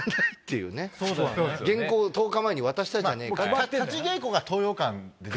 「原稿１０日前に渡したじゃねえか」。